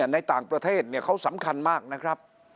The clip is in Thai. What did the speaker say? ในต่างประเทศเขาสำคัญมากนะครับ